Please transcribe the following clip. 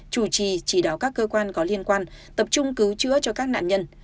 chủ trì chỉ đạo các cơ quan có liên quan tập trung cứu chữa cho các nạn nhân